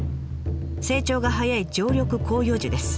成長が早い常緑広葉樹です。